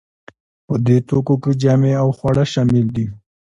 په دې توکو کې جامې او خواړه شامل دي.